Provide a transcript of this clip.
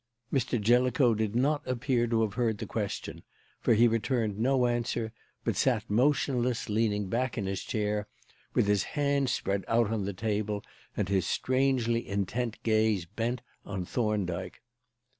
Mr. Jellicoe did not appear to have heard the question, for he returned no answer, but sat motionless, leaning back in his chair, with his hands spread out on the table and his strangely intent gaze bent on Thorndyke.